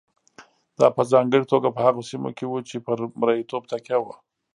دا په ځانګړې توګه په هغو سیمو کې وه چې پر مریتوب تکیه وه.